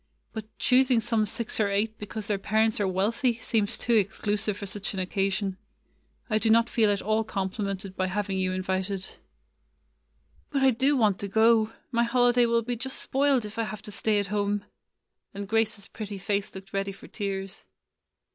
But choosing some six or eight because their parents are wealthy seems too exclusive for such an occasion. I do not feel at all compli mented by having you invited." ''But I do want to go. My holiday will be just spoiled if I have to stay at home;" and Grace's pretty face looked ready for tears.